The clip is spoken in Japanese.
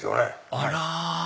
あら！